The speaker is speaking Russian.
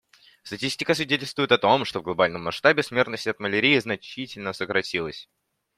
Статистика свидетельствует о том, что в глобальном масштабе смертность от малярии значительно сократилась.